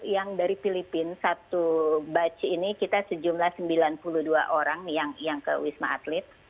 yang dari filipina satu batch ini kita sejumlah sembilan puluh dua orang yang ke wisma atlet